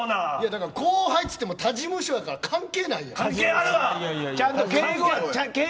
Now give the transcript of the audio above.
だから後輩っつっても他事務所やから関係ないやん。